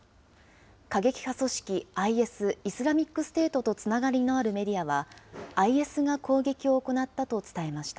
過激派組織ＩＳ・イスラミックステートとつながりのあるメディアは、ＩＳが攻撃を行ったと伝えました。